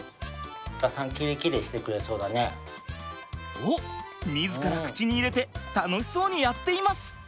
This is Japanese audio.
おっ自ら口に入れて楽しそうにやっています！